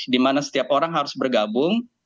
di mana setiap orang harus bergabung